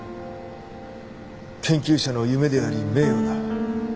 研究者の夢であり名誉だ。